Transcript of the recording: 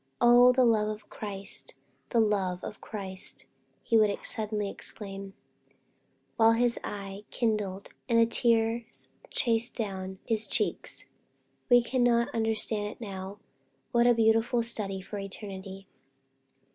"Oh, the love of Christ! the love of Christ!" he would suddenly exclaim, while his eye kindled, and the tears chased each other down his cheeks, "we cannot understand it now but what a beautiful study for eternity!"